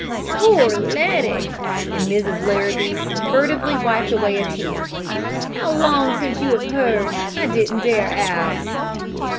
"Poor Letty!" And Mrs. Larrabee furtively wiped away a tear. "How long since you have heard? I didn't dare ask."